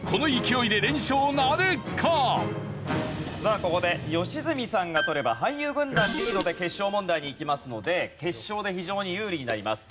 さあここで良純さんが取れば俳優軍団リードで決勝問題にいきますので決勝で非常に有利になります。